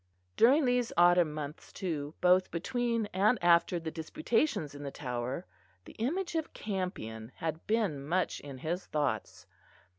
During these autumn months, too, both between and after the disputations in the Tower, the image of Campion had been much in his thoughts.